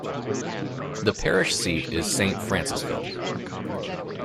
The parish seat is Saint Francisville.